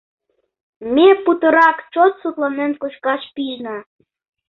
Ме путырак чот сутланен кочкаш пижна.